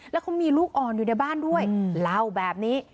แล้วเขามีลูกอ่อนอยู่ในบ้านด้วยเล่าแบบนี้